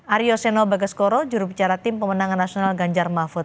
aryo seno bagaskoro jurubicara tim pemenangan nasional ganjar mahfud